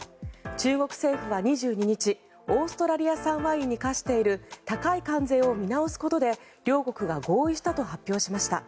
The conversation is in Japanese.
中国政府は２２日オーストラリア産ワインに課している高い関税を見直すことで両国が合意したと発表しました。